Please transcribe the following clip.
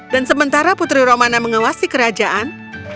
dan sementara putri romana mengawasi kerajaan